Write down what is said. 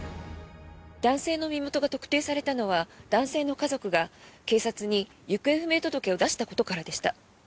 男性の身元が特定されたのは、男性の家族が警察に行方不明者届を出したことからでした。